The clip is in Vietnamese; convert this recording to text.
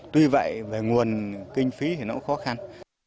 tuy vậy về nguồn kinh phí thì nó khó khăn